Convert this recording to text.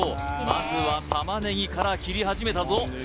まずは玉ねぎから切り始めたぞ